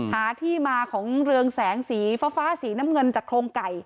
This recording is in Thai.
หาที่มาของเรืองแสงสีฟ้าสีน้ำเงินจากโครงไก่